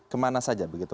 kemana saja begitu